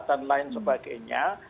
dan lain sebagainya